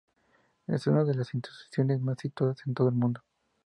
Es una de las instituciones más citadas en todo el mundo.